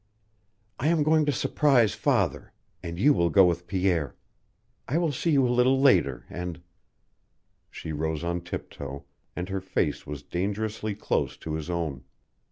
I am going to surprise father, and you will go with Pierre. I will see you a little later, and " She rose on tiptoe, and her face was dangerously close to his own.